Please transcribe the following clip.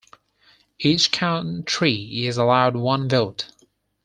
Each country is allowed one vote.